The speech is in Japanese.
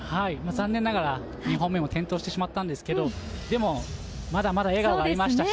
残念ながら２本目も転倒してしまったんですけど、でもまだまだ笑顔がありました。